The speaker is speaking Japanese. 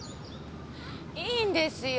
いいんですよ。